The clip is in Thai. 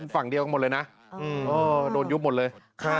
ฝั่งเดียวกันหมดเลยนะโดนยุบหมดเลย